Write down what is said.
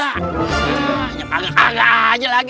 agak agak aja lagi